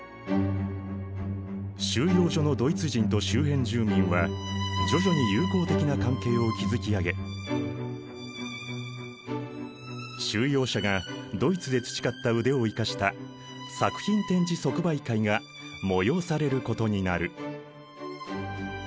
収容所のドイツ人と周辺住民は徐々に友好的な関係を築き上げ収容者がドイツで培った腕を生かした作品展示即売会が催されることになる。